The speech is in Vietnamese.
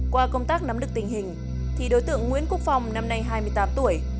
qua công tác nắm đức tình hình đối tượng nguyễn cúc phong năm nay hai mươi tám tuổi